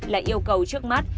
là yêu cầu trước mắt